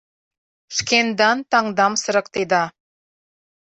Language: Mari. Шкендан таҥдам сырыктеда.